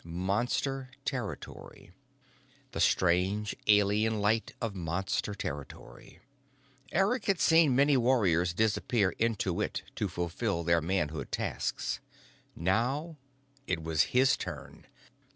Monster territory. The strange, alien light of Monster territory. Eric had seen many warriors disappear into it to fulfill their manhood tasks. Now it was his turn.